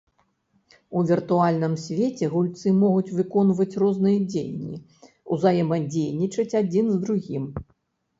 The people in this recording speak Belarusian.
У віртуальным свеце гульцы могуць выконваць розныя дзеянні, узаемадзейнічаць адзін з другім.